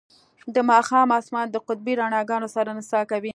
د ماښام اسمان د قطبي رڼاګانو سره نڅا کوي